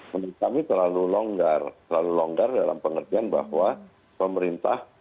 menurut kami terlalu longgar terlalu longgar dalam pengerjaan bahwa pemerintah